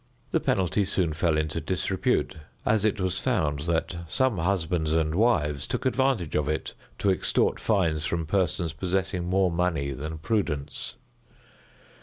This penalty soon fell into disrepute, as it was found that some husbands and wives took advantage of it to extort fines from persons possessing more money than prudence.